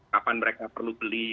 kapan mereka perlu beli